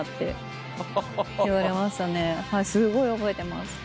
すごい覚えてます。